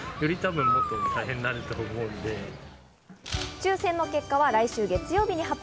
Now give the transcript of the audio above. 抽選の結果は来週月曜日に発表。